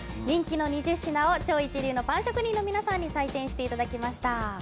人気の２０品を超一流のパン職人の皆様に採点していただきました。